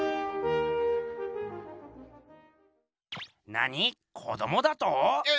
なに⁉子どもだと⁉えぇ